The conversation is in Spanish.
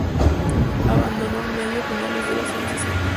Abandonó el medio a finales de los años sesenta.